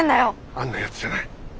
あんなやつじゃない。